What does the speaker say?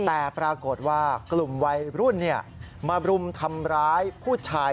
แต่ปรากฏว่ากลุ่มวัยรุ่นมารุมทำร้ายผู้ชาย